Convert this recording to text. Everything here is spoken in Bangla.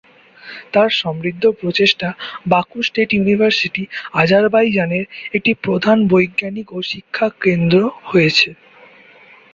তার সমৃদ্ধ প্রচেষ্টা বাকু স্টেট ইউনিভার্সিটি আজারবাইজানের একটি প্রধান বৈজ্ঞানিক ও শিক্ষা কেন্দ্র হয়েছে।